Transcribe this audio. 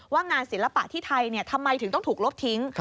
งานศิลปะที่ไทยทำไมถึงต้องถูกลบทิ้ง